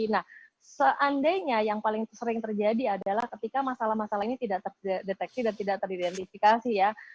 nah seandainya yang paling sering terjadi adalah ketika masalah masalah ini tidak terdeteksi dan tidak teridentifikasi ya